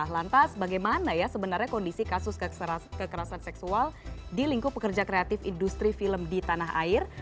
lantas bagaimana ya sebenarnya kondisi kasus kekerasan seksual di lingkup pekerja kreatif industri film di tanah air